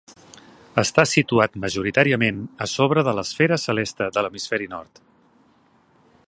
Està situat majoritàriament a sobre de l'esfera celeste de l'hemisferi nord.